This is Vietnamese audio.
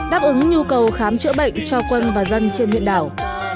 đáp ứng nhu cầu khám chữa bệnh cho quân và dân trên huyện đảo